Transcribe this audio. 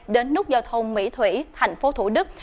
đến nút giao thông mỹ thủy tp thủ đức